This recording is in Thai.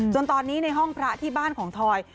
จนตอนนี้ในห้องพระที่บ้านของทอย